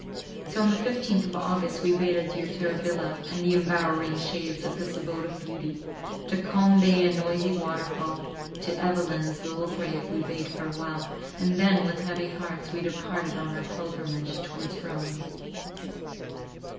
So on the fifteenth of August we bade adieu to our villa, and the embowering shades of this abode of beauty; to calm bay and noisy waterfall; to Evelyn's little grave we bade farewell! and then, with heavy hearts, we departed on our pilgrimage towards Rome.